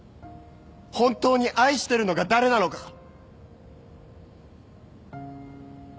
本当に愛してるのが誰なのか。